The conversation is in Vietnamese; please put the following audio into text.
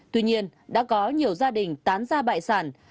tuy nhiên đã có nhiều gia đình tán ra bại sản